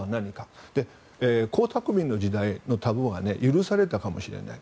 江沢民の時代のタブーは許されたかもしれない。